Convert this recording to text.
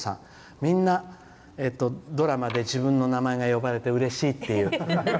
みんなドラマで自分の名前が呼ばれてうれしいっていう。